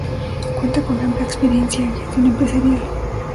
Cuenta con amplia experiencia en gestión empresarial.